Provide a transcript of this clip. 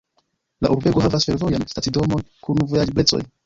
La urbego havas fervojan stacidomon kun vojaĝeblecoj.